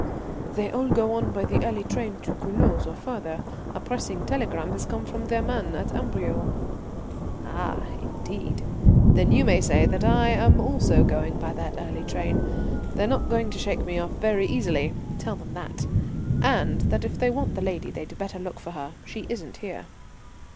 "They all go on by the early train to Culoz or farther. A pressing telegram has come from their man at Amberieu." "Ah! Indeed. Then you may say that I am also going by that early train. They're not going to shake me off very easily. Tell them that, and that if they want the lady they'd better look for her. She isn't here."